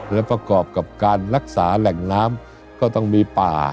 และประกอบกับการรักษาแหล่งน้ำก็ต้องมีป่า